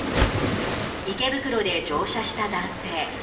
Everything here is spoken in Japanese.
池袋で乗車した男性。